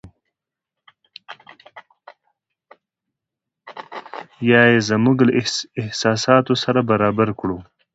یا یې زموږ له احساساتو سره برابر کړو.